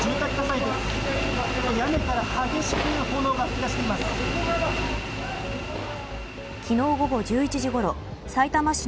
屋根から激しく炎が噴き出しています。